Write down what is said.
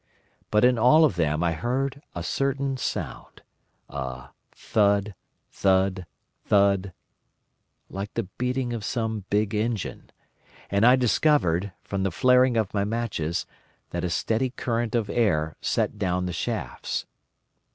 But in all of them I heard a certain sound: a thud—thud—thud, like the beating of some big engine; and I discovered, from the flaring of my matches, that a steady current of air set down the shafts.